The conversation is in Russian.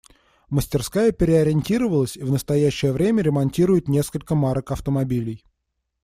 Мастерская переориентировалась и в настоящее время ремонтирует несколько марок автомобилей.